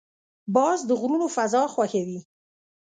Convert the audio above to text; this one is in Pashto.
باز د غرونو فضا خوښوي